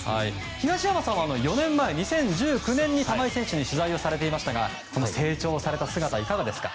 東山さんは４年前２０１９年に玉井選手に取材されていましたが成長された姿、いかがですか？